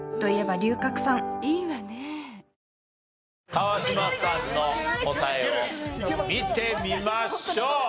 川島さんの答えを見てみましょう。